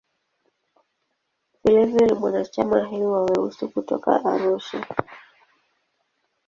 Vilevile ni mwanachama hai wa "Weusi" kutoka Arusha.